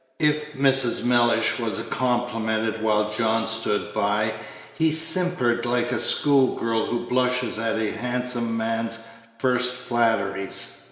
If Mrs. Mellish was complimented while John stood by, he simpered like a school girl who blushes at a handsome man's first flatteries.